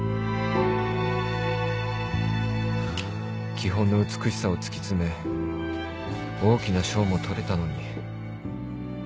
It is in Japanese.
基本の美しさを突き詰め大きな賞も取れたのに